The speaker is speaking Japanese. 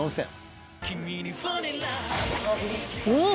うん。